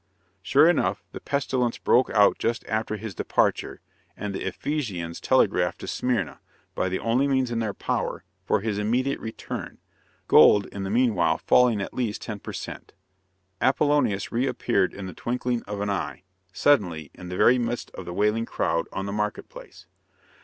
Sure enough, the pestilence broke out just after his departure, and the Ephesians telegraphed to Smyrna, by the only means in their power, for his immediate return; gold, in the meanwhile, falling at least ten per cent. Apollonius reappeared in the twinkling of an eye, suddenly, in the very midst of the wailing crowd, on the market place.